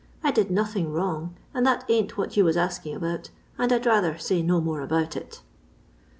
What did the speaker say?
I did nothing wrong, and that ain't what you was asking about, and I 'd rather say no more about it."